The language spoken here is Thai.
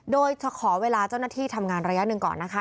โดยจะขอเวลาเจ้าหน้าที่ทำงานระยะหนึ่งก่อนนะคะ